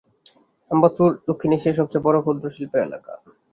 আম্বাত্তুর দক্ষিণ এশিয়ার সবচেয়ে বড়, ক্ষুদ্র শিল্পের এলাকা।